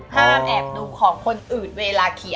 ห้ามแอบดูของคนอื่นเวลาเขียน